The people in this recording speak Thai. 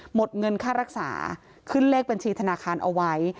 หมดเงินค่ารักษาขึ้นเลขบัญชีธนาคารเอาไว้